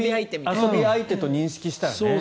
遊び相手と認識したらね。